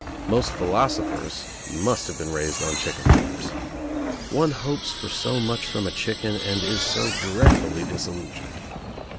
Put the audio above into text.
Most philosophers must have been raised on chicken farms. One hopes for so much from a chicken and is so dreadfully disillusioned.